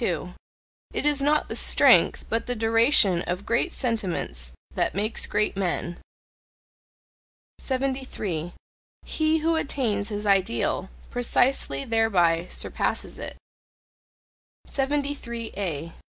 It is not the strength, but the duration of great sentiments that makes great men. 73. He who attains his ideal, precisely thereby surpasses it. 73A.